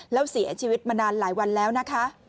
แล้วเสียชีวิตมานานหลายวันแล้วนะคะ